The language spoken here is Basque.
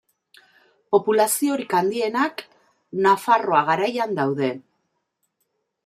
Populaziorik handienak Nafarroa Garaian daude.